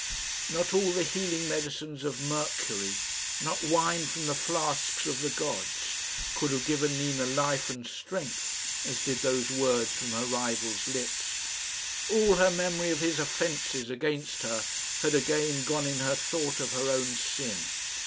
Not all the healing medicines of Mercury, not wine from the flasks of the gods, could have given Nina life and strength as did those words from her rival's lips. All her memory of his offences against her had again gone in her thought of her own sin.